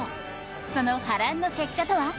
その波乱の結果とは？